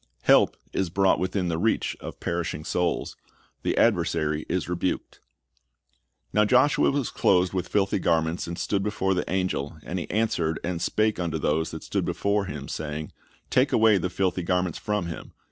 Help is brought within the reach of perishing souls. The adversary is rebuked. "Now Joshua was clothed with filthy garments, and stood before the angel: and he answered and spake unto those that stood before him, saying, Take away the filthy garments from him.